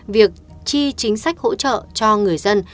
việc chi chính sách hỗ trợ cho người dân